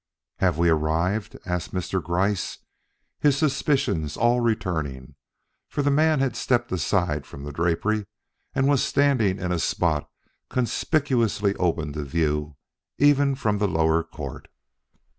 "Have we arrived?" asked Mr. Gryce, his suspicions all returning, for the man had stepped aside from the drapery and was standing in a spot conspicuously open to view even from the lower court.